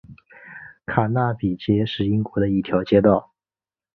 卡纳比街是英国的一条街道。